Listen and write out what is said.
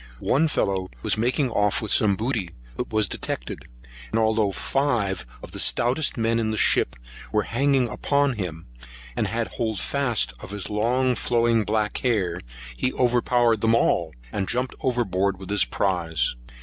One fellow was making off with some booty, but was detected; and although five of the stoutest men in the ship were hanging upon him, and had fast hold of his long flowing black hair, he overpowered them all, and jumped overboard with his prize.